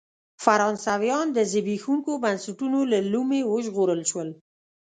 فرانسویان د زبېښونکو بنسټونو له لومې وژغورل شول.